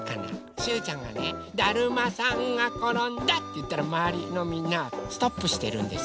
しゅうちゃんがね「だるまさんがころんだ」っていったらまわりのみんなはストップしてるんです。